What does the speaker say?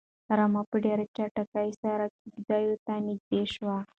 رمه په ډېرې چټکۍ سره کيږديو ته نږدې شوه.